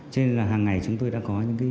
cho nên là hằng ngày chúng tôi đã có